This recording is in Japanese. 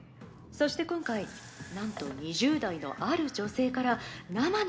「そして今回なんと２０代のある女性から生の声が届いています」